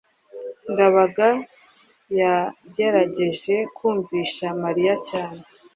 ndabaga yagerageje kumvisha mariya cyane